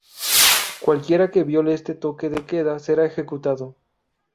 Cualquiera que viole este toque de queda será ejecutado".